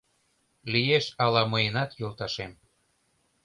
Лиеш ала мыйынат йолташем.